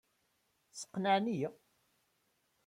Sqenɛen-iyi.